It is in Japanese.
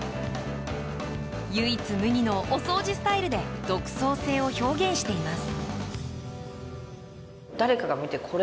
唯一無二のお掃除スタイルで独創性を表現しています。